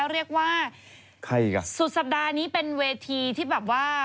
เรียกว่าสุดสัปดาห์นี้เป็นเวทีที่แบบว่า